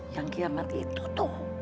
yang kiamat itu tuh